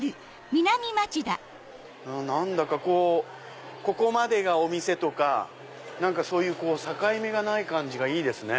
何だかここまでがお店！とかそういう境目がない感じがいいですね。